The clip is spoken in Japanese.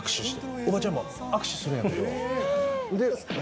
おばちゃんも握手するんやけど、え？